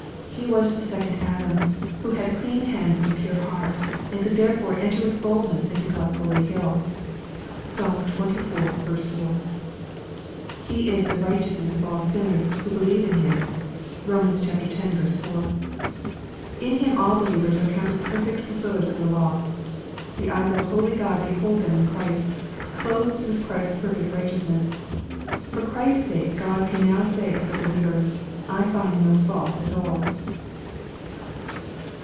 He was the second Adam, who had " clean hands and a pure heart," and could there fore enter with boldness into God's holy hill. (Psalm xxiv. 4.) He is the righteousness of all sinners who be lieve in Him. (Rom. x. 4.) In Him all believers are counted perfect fulfillers of the law. The eyes of a holy God behold them in Christ, clothed with Christ's perfect righteousness. For Christ's sake God can now say of the believer, '^ I find in him no faiflt"a(rall."